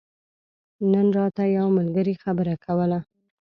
نن راته يو ملګري خبره کوله